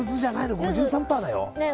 ５３％だよ？